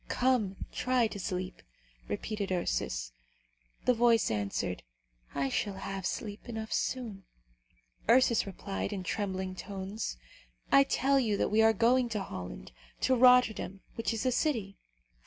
"Come! try to sleep," repeated Ursus. The voice answered, "I shall have sleep enough soon." Ursus replied, in trembling tones, "I tell you that we are going to Holland, to Rotterdam, which is a city."